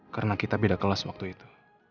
karena kita beda kelas waktu itu